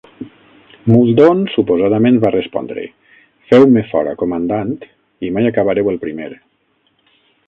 Muldoon suposadament va respondre: Feu-me fora, comandant, i mai acabareu el primer.